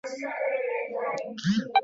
mafuta mengi duniani kuna idadi ambazo